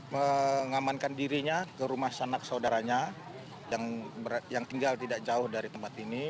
mengamankan dirinya ke rumah sanak saudaranya yang tinggal tidak jauh dari tempat ini